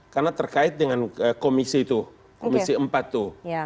karena terkait dengan komisi itu komisi empat itu